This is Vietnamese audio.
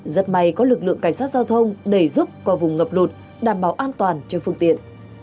rất may có lực lượng cảnh sát giao thông đẩy giúp qua vùng ngập lụt đảm bảo an toàn cho phương tiện